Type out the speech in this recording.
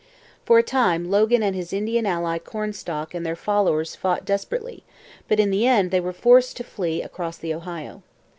For a time Logan and his Indian ally Cornstalk and their followers fought desperately, but in the end they were forced to flee across the Ohio.